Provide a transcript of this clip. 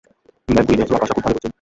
ম্যাকগুইনেসরা কাজটা খুব ভালো করছেন।